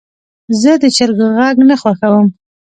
زه د چرګو غږ نه خوښوم.